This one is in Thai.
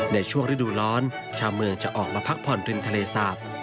ในช่วงฤดูร้อนชาวเมืองจะออกมาพักผ่อนริมทะเลสาป